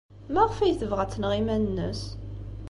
Maɣef ay tebɣa ad tneɣ iman-nnes?